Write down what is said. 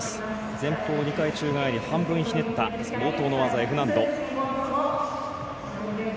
前方２回宙返り、半分ひねったＦ難度。